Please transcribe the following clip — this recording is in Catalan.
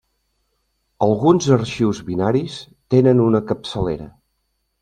Alguns arxius binaris tenen una capçalera.